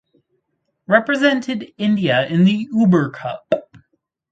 Represented India in the Uber Cup.